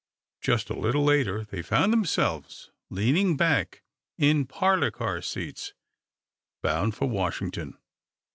Just a little later they found themselves leaning back in parlor car seats, bound for Washington.